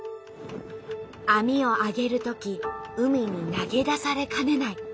網をあげるとき海に投げ出されかねない。